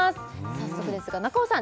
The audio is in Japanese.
早速ですが中尾さん